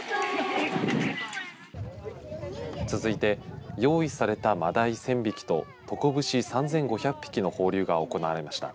続いて用意されたマダイ１０００匹とトコブシ３５００匹の放流が行われました。